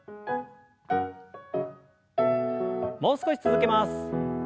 もう少し続けます。